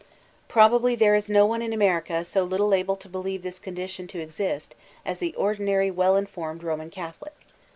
Probably there b no one in America so little able to believe this condition to exist, as the ordinary well informed Roman Catholic.